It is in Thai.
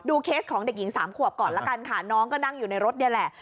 เคสของเด็กหญิงสามขวบก่อนละกันค่ะน้องก็นั่งอยู่ในรถนี่แหละ